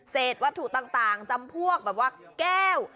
วัตถุต่างจำพวกแบบว่าแก้ว